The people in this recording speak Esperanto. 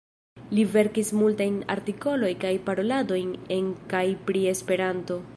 Li verkis multajn artikoloj kaj paroladojn en kaj pri Esperanto.